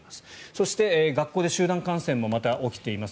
そして、学校で集団感染もまた起きています。